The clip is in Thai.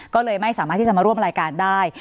ก็เลยไม่สามารถที่จะมาร่วมรายการได้